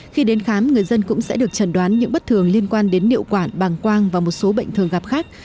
khi đến khám người dân cũng sẽ được trần đoán những bất thường liên quan đến niệu quản bàng quang và một số bệnh thường gặp khác